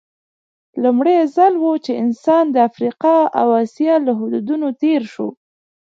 لومړی ځل و چې انسان د افریقا او اسیا له حدودو تېر شو.